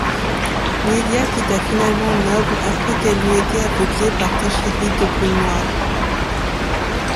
Nidia quitta finalement Noble après qu'elle eut été aveuglée par Tajiri de brume noire.